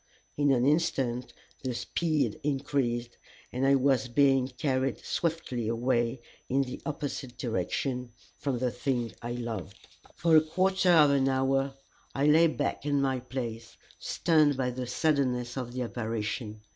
In an instant the speed increased, and I was being carried swiftly away in the opposite direction from the thing I loved. For a quarter of an hour I lay back in my place, stunned by the suddenness of the apparition.